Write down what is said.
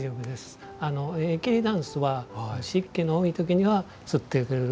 ええ、桐たんすは湿気の多い時には吸ってくれる。